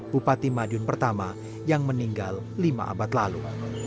bupati madiun pertama yang meninggal lima abad lalu